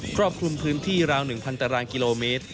ครอบคลุมพื้นที่ราว๑๐๐ตารางกิโลเมตร